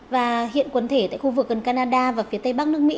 và hiện quần thể tại khu vực gần canada và phía tây bắc nước mỹ